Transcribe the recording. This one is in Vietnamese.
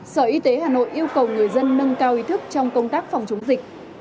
sở y tế hà nội yêu cầu người dân nâng cao ý thức trong công tác phòng chống dịch